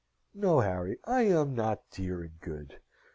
"No, Harry! I am not dear and good.